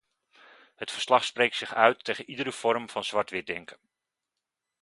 Het verslag spreekt zich uit tegen iedere vorm van zwart-witdenken.